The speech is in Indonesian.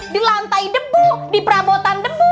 di lantai debu di perabotan debu